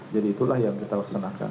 jadi itulah yang kita laksanakan